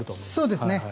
そうですね。